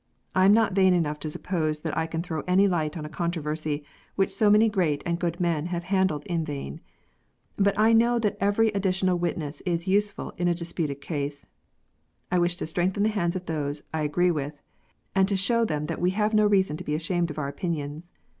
I am not vain enough to suppose that I can throw any light on a controversy which so many great and good men have handled in vain. But I know that every addi tional witness is useful in a disputed case. I wish to strengthen the hands of those I agree with, and to show them that we have no reason to be ashamed of our opinions.